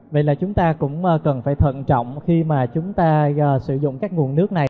vậy là chúng ta cũng cần phải thận trọng khi mà chúng ta sử dụng các nguồn nước này